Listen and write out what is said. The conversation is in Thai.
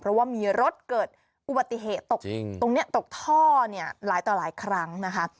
เพราะว่ามีรถเกิดอุบัติเหตุตกตรงนี้ตกท่อเนี่ยหลายต่อหลายครั้งนะคะ